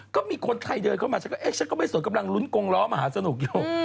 ก็มีคนไทยเดินเข้ามาฉันก็เอ๊ะฉันก็ไม่สนกำลังลุ้นกงล้อมหาสนุกอยู่